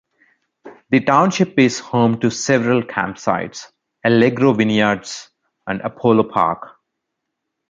The township is home to several campsites, Allegro Vineyards, and Apollo Park.